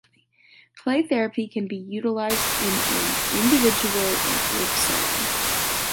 Play therapy can be utilized in an individual or group setting.